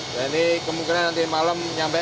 dan ini kemungkinan nanti malam nyampe